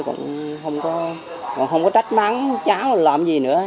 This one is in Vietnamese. cũng không có trách mắng cháu làm gì nữa